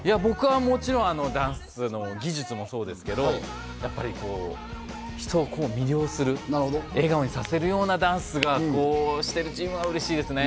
もちろんダンスの技術もですが、やっぱり人を魅了する、笑顔にさせるようなダンスがしていればいいですよね。